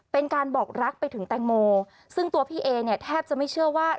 เป็นการบอกรักไปถึงแตงโมซึ่งตัวพี่เอเนี่ยแทบจะไม่เชื่อว่า